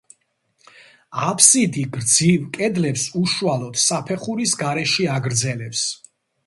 აფსიდი გრძივ კედლებს უშუალოდ, საფეხურის გარეშე აგრძელებს.